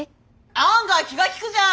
案外気が利くじゃん！